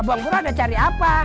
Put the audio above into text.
abangku ada cari apa